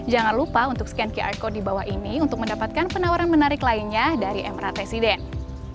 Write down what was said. jangan lupa untuk scan qr code di bawah ini untuk mendapatkan penawaran menarik lainnya dari emerald residence